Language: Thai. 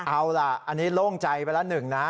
เอาล่ะอันนี้โล่งใจไปแล้วหนึ่งนะ